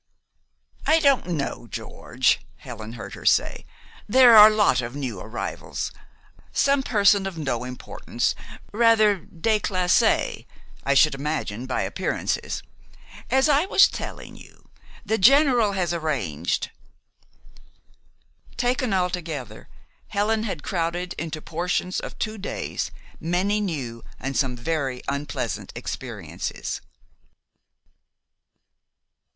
"I don't know, George," Helen heard her say. "There are a lot of new arrivals. Some person of no importance, rather déclassée, I should imagine by appearances. As I was telling you, the General has arranged " Taken altogether, Helen had crowded into portions of two days many new and some very unpleasant experiences.